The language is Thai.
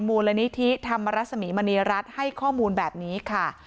มูลนิธิธรรมรสมีมณีรัฐให้ข้อมูลแบบนี้ค่ะ